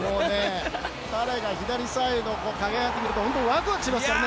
彼が左サイドを駆け上がってくると本当にワクワクしますからね。